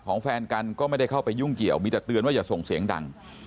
แฟนกันก็ไม่ได้เข้าไปยุ่งเกี่ยวมีแต่เตือนว่าอย่าส่งเสียงดัง